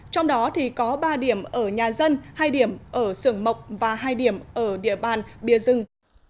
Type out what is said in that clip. trong đó thì có ba điểm ở nhà dân hai điểm ở sưởng mộc và hai điểm ở địa bàn bia dưng